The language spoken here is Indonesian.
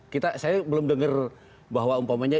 kita saya belum dengar bahwa umpamanya